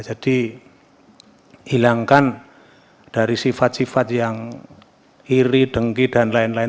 jadi hilangkan dari sifat sifat yang iri dengki dan lain lain